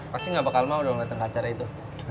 pasti gak bakal mau dong datang ke acara itu